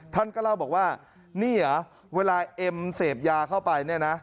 ท่านก็เล่าบอกว่านี่เหรอเวลาเอ็มเสพยาเข้าไปเนี่ยนะ